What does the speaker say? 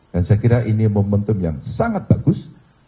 dan saya kira ini momentum yang sangat bagus